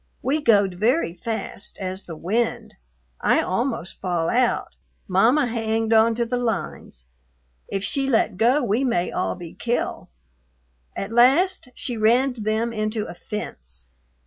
We goed very fast as the wind. I almost fall out Mama hanged on to the lines. if she let go we may all be kill. At last she raned them into a fence.